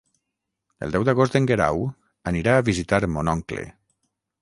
El deu d'agost en Guerau anirà a visitar mon oncle.